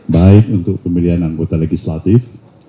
baik untuk pemilihan anggota legislatif